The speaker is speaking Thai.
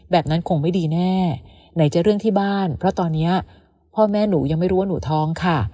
นั้นคงไม่ดีแน่ไหนจะเรื่องที่บ้านเพราะตอนนี้พ่อแม่หนูยังไม่รู้ว่าหนูท้องค่ะ